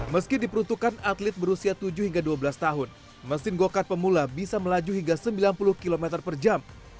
meski diperuntukkan atlet berusia tujuh hingga dua belas tahun mesin go kart pemula bisa melaju hingga sembilan puluh km per jam